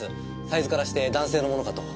サイズからして男性のものかと。